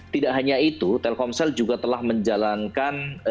tidak hanya itu telkomsel juga telah menjalankan